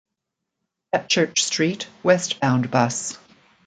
At Church Street, westbound Bus.